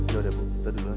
ya udah bu kita duduk